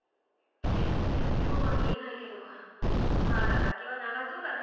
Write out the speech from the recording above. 全然そうは見えないけどまだ先は長そうだね。